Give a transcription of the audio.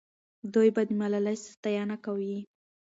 دوی به د ملالۍ ستاینه کوي.